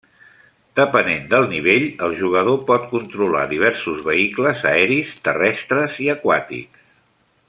Depenent del nivell, el jugador pot controlar diversos vehicles aeris, terrestres i aquàtics.